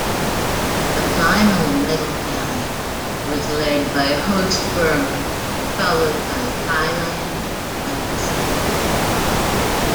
The final medal tally was led by host Burma, followed by Thailand and Singapore.